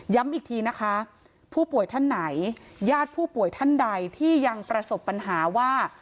อีกทีนะคะผู้ป่วยท่านไหนญาติผู้ป่วยท่านใดที่ยังประสบปัญหาว่า